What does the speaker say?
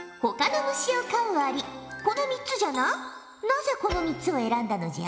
なぜこの３つを選んだのじゃ？